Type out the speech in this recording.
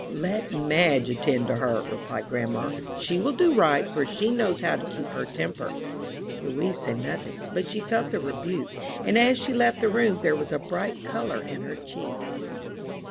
"Let Madge attend to her," replied grandma; "she will do right, for she knows how to keep her temper." Louise said nothing, but she felt the rebuke; and as she left the room, there was a bright color in her cheeks.